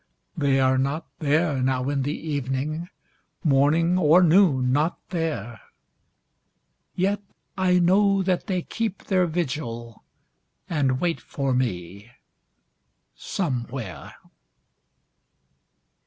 They are not there now in the evening Morning or noon not there; Yet I know that they keep their vigil, And wait for me Somewhere.